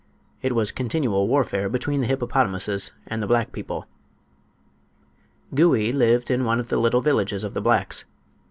It was continual warfare between the hippopotamuses and the black people. Gouie lived in one of the little villages of the blacks.